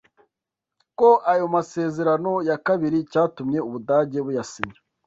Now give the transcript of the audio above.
ko ayo masezerano ya kabiri icyatumye u Budage buyasinya